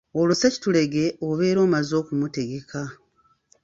Olwo ssekitulege obeera omaze okumutegeka.